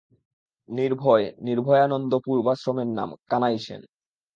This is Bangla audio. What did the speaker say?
নির্ভয়, নির্ভয়ানন্দ পূর্বাশ্রমের নাম কানাই সেন।